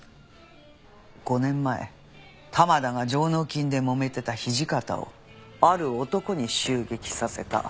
５年前玉田が上納金で揉めてた土方をある男に襲撃させた。